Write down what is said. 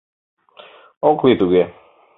Ок лий туге!